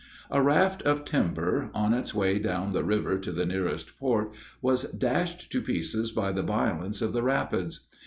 A raft of timber, on its way down the river to the nearest port, was dashed to pieces by the violence of the rapids.